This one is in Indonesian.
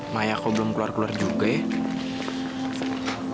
maya kok belum keluar keluar juga ya